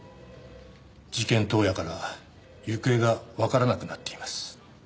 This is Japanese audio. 事件当夜から行方がわからなくなっています。